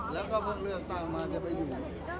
แล้วก็เพิ่งเลือกตั้งมาจะไปอยู่